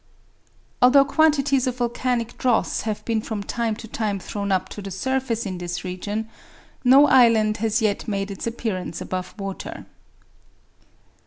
Although quantities of volcanic dross have been from time to time thrown up to the surface in this region, no island has yet made its appearance above water.